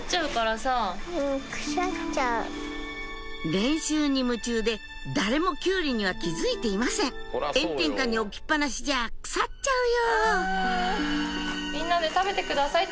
練習に夢中で誰もキュウリには気付いていません炎天下に置きっ放しじゃ腐っちゃうよ